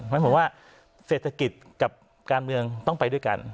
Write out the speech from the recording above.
เพราะผมว่าเศรษฐกิจกับการเมืองต้องไปด้วยกัน